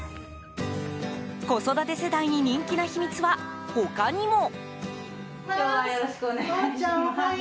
子育て世代に人気の秘密は他にも。